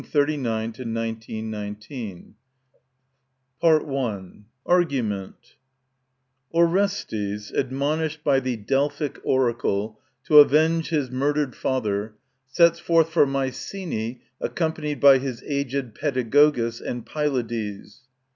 110 τ Mod SS" a ἰ τἀν τ᾿, faa ELEC ARGUMENT Orestes, admonished by the Delphic oracle to avenge his murdered father, sets forth for Mycenae accompanied by his aged Paedagogus and Pylades.